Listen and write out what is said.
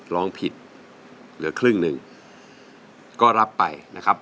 ร้องผิดเหลือครึ่งหนึ่งก็รับไปนะครับ